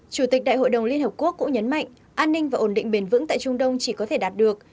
chủ tịch đại hội đồng liên hợp quốc cũng nhấn mạnh an ninh và ổn định bền vững tại trung đông chỉ có thể đạt được